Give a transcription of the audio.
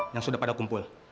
yang sudah pada kumpul